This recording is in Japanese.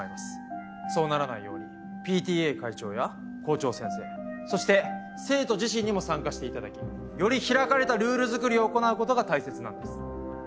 そうならないようにＰＴＡ会長や校長先生そして生徒自身にも参加して頂きより開かれたルール作りを行う事が大切なんです。